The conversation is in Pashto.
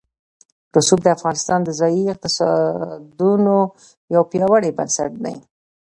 رسوب د افغانستان د ځایي اقتصادونو یو پیاوړی بنسټ دی.